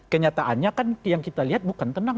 kenyataannya kan yang kita lihat bukan tenang